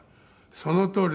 「“そのとおりだ。